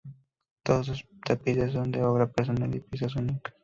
Todos sus tapices son obra personal y piezas únicas.